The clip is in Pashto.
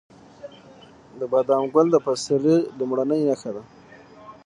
د بادام ګل د پسرلي لومړنی نښه ده.